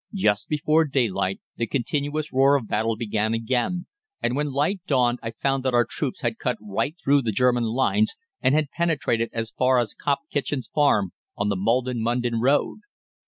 Just before daylight the continuous roar of battle began again, and when light dawned I found that our troops had cut right through the German lines, and had penetrated as far as Cop Kitchen's Farm, on the Maldon Mundon road.